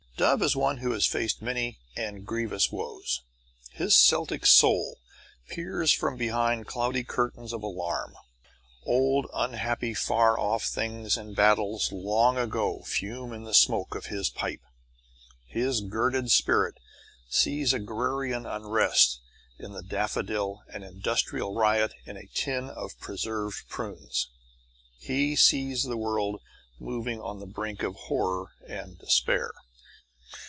Dove is one who has faced many and grievous woes. His Celtic soul peers from behind cloudy curtains of alarm. Old unhappy far off things and battles long ago fume in the smoke of his pipe. His girded spirit sees agrarian unrest in the daffodil and industrial riot in a tin of preserved prunes. He sees the world moving on the brink of horror and despair.